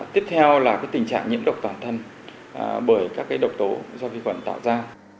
tiếp theo là tình trạng nhiễm độc bản thân bởi các độc tố do vi khuẩn tạo ra